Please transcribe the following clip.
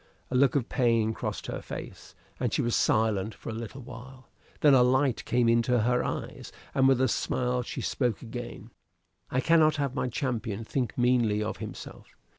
A look of pain crossed her face, and she was silent for a little while. Then a light came into her eyes and with a smile she spoke again. "I cannot have my champion think meanly of himself.